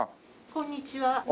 こんにちは。